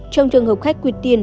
trong trường hợp khách quyệt tiền